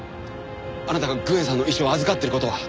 あなたがグエンさんの遺書を預かっている事は。